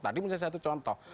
tadi misalnya satu contoh